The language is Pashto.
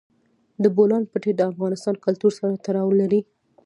د بولان پټي د افغان کلتور سره تړاو لري.